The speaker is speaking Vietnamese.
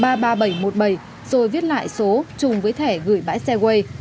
rồi viết lại số chung với thẻ gửi bãi xe way